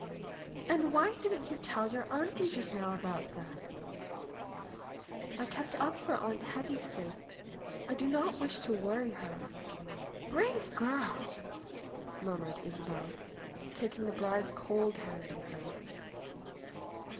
"And why didn't you tell your auntie just now about them ?" "I kept up for Aunt Hetty's sake. I did not wish to worry her." "Brave girl!" murmured Isabel, taking the bride's cold hand in hers.